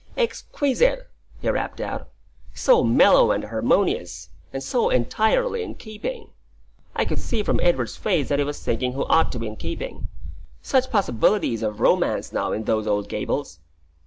"Exquisite!" he rapped out; "so mellow and harmonious! and so entirely in keeping!" (I could see from Edward's face that he was thinking who ought to be in keeping.) "Such possibilities of romance, now, in those old gables!"